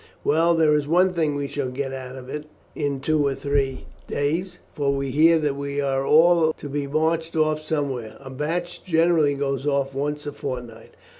Well, there is one thing, we shall get out of it in two or three days, for we hear that we are all to be marched off somewhere. A batch generally goes off once a fortnight."